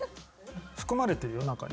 含まれてるよ中に。